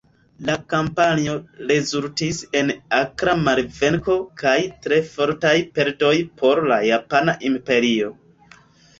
La kampanjo rezultis en akra malvenko kaj tre fortaj perdoj por la Japana Imperio.